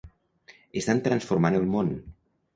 Estan transformant el món.